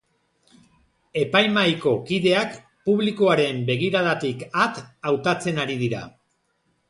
Epaimahaiko kideak publikoaren begiradatik at hautatzen ari dira.